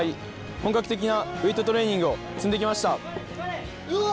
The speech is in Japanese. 本格的なウエイトトレーニングを積んできました。